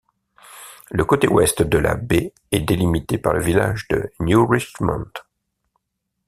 Le côté Ouest de la baie est délimité par le village de New Richmond.